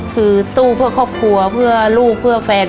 คือสู้เพื่อครอบครัวเพื่อลูกเพื่อแฟน